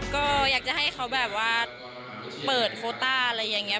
ก็อยากจะให้เขาแบบว่าเปิดโคต้าอะไรอย่างนี้